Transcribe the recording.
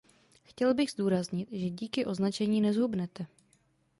Chtěl bych zdůraznit, že díky označení nezhubnete.